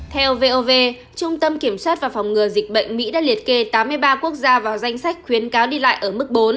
theo vov trung tâm kiểm soát và phòng ngừa dịch bệnh mỹ đã liệt kê tám mươi ba quốc gia vào danh sách khuyến cáo đi lại ở mức bốn